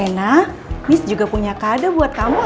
reina miss juga punya kade buat kamu loh